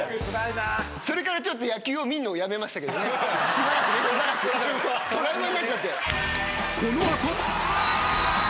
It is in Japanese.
しばらくねしばらくトラウマになっちゃって。